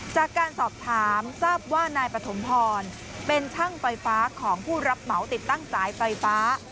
จากการสอบถามทราบว่านายปฐมพรเป็นช่างไฟฟ้าของผู้รับเหมาติดตั้งสายไฟฟ้า